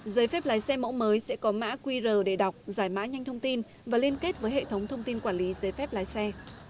giấy phép lái xe mẫu mới sẽ có mã qr để đọc giải mã nhanh thông tin và liên kết với hệ thống thông tin quản lý giấy phép lái xe